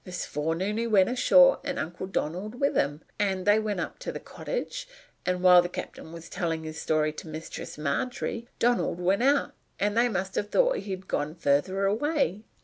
This forenoon he went ashore, and Uncle Donald with him; and they went up to the cottage; and while the cap'n was tellin' his story to Mistress Margery, Donald went out; and they must have thought he'd gone further away.